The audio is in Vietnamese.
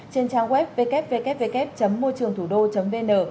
trên trang web www môitrườngthủđô vn